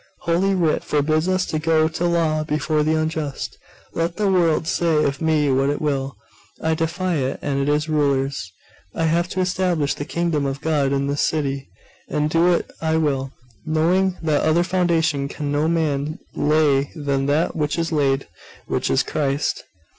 Holy Writ forbids us to go to law before the unjust. Let the world say of me what it will. I defy it and its rulers. I have to establish the kingdom of God in this city, and do it I will, knowing that other foundation can no man lay than that which is laid, which is Christ.